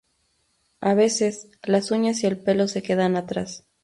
A veces, las uñas y el pelo se quedan atrás.